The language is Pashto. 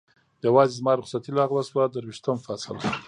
یوازې زما رخصتي لغوه شوه، درویشتم فصل.